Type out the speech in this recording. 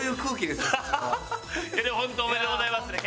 でも本当おめでとうございますね。